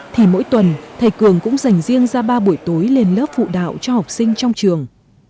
thì mỗi tuần thầy cường cũng dành riêng ra ba buổi tối lên lớp phụ đạo cho học sinh trong trường